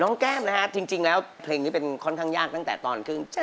แก้มนะฮะจริงแล้วเพลงนี้เป็นค่อนข้างยากตั้งแต่ตอนครึ่ง